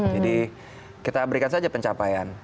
jadi kita berikan saja pencapaian